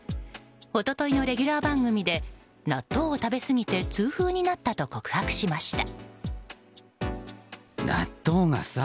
一昨日のレギュラー番組で納豆を食べすぎて痛風になったと告白しました。